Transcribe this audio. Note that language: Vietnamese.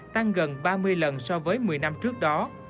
tăng gần ba mươi lần so với một mươi năm trước đó